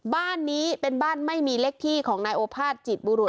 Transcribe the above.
บ้านนี้เป็นบ้านไม่มีเล็กที่ของนายโอภาษจิตบุรุษ